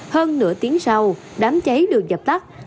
hơn nửa tiếng sau đám cháy được dập tắt